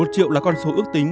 một triệu là con số ước tính